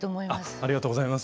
ありがとうございます。